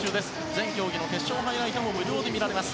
全競技の決勝、ハイライトも無料で見られます。